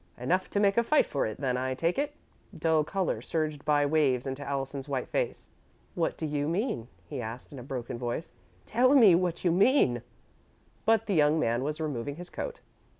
"Enough to make a fight for it then, I take it." Dull colour surged by waves into Allison's white face. "What do you mean?" he asked, in a broken voice. "Tell me what you mean!" But the young man was removing his coat.